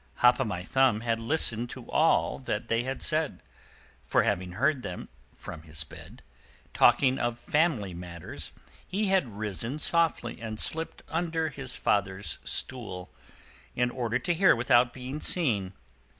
Hop o' My Thumb had listened to all that they had said, for having heard them, from his bed, talking of family matters, he had risen softly and slipped under his father's stool, in order to hear without being seen.